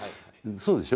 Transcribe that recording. そうでしょ。